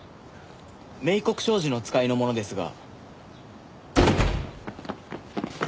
明国商事の使いの者ですが。